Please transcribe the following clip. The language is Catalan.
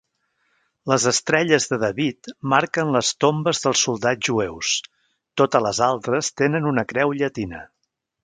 Les estrelles de David marquen les tombes dels soldats jueus, totes les altres tenen una creu llatina.